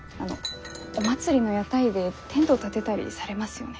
お祭りの屋台でテントを立てたりされますよね？